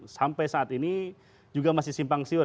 sampai saat ini juga masih simpang siur